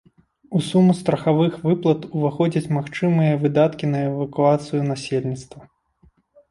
У суму страхавых выплат уваходзяць магчымыя выдаткі на эвакуацыю насельніцтва.